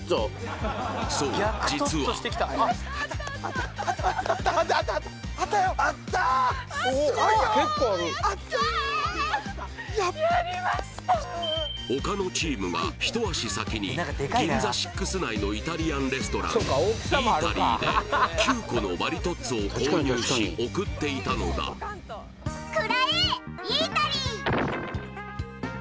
そう実は岡野チームが一足先にＧＩＮＺＡＳＩＸ内のイタリアンレストランイータリーで９個のマリトッツォを購入し送っていたのだ「食らえイータリー！」